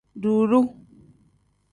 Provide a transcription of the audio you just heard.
Duuru.